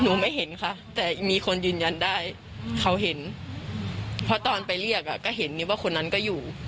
ไม่เห็นค่ะแต่มีคนยืนยันได้เขาเห็นเพราะตอนไปเรียกอ่ะก็เห็นว่าคนนั้นก็อยู่